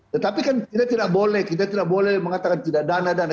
tetapi kan kita tidak boleh kita tidak boleh mengatakan tidak dana dana